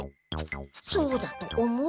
そうだと思う。